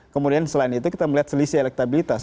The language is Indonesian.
kemudian selain itu kita melihat selisih elektabilitas